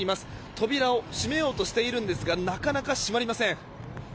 扉を閉めようとしているんですがなかなか閉まりません。